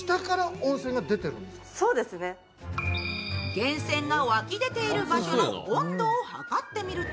源泉が湧き出ている場所の温度を測ってみると